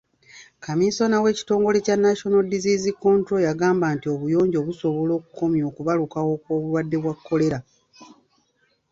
Kamiisona mu kitongole kya National Disease Control yagamba nti obuyonjo busobola okukomya okubalukawo kw'obulwadde bwa kolera.